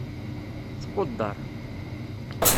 Squdder.